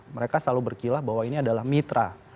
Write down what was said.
mereka selalu berkilah bahwa ini adalah mitra